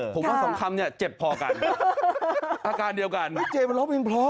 ผมว่าสองคำเนี่ยเจ็บพอกันอาการเดียวกันพี่เจมันร้องเพลงเพราะ